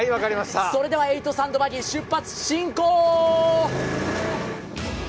それでは、８サンドバギー、出発進行！